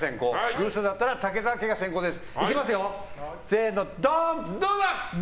偶数だった武澤家が先攻です。